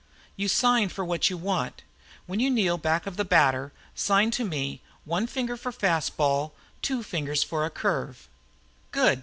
"You sign for what you want. When you kneel back of the batter sign to me, one finger for fastball, two fingers for a curve." "Good!"